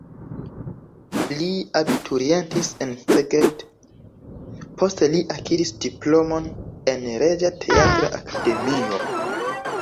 Li abiturientis en Szeged, poste li akiris diplomon en Reĝa Teatra Akademio.